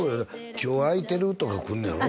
「今日空いてる？」とかくんねやろ？